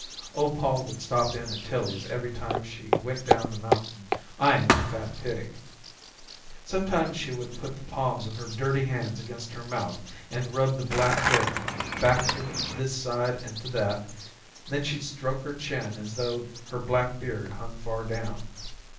Old Pol would stop in at Tillie's every time she went down the mountain, eyeing the fat pig. Sometimes she would put the palms of her dirty hands against her mouth and rub the black hair back to this side and to that, then she'd stroke her chin as though her black beard hung far down.